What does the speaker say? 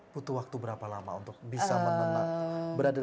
butuh waktu berapa lama untuk bisa menenang